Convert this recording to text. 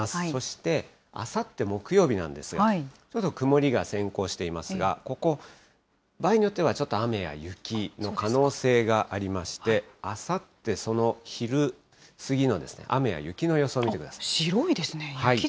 そしてあさって木曜日なんですが、ちょっと曇りが先行していますが、ここ、場合によってはちょっと雨や雪の可能性がありまして、あさって、その昼過ぎの雨や雪の予想を見てください。